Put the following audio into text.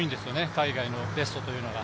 海外のベストというのが。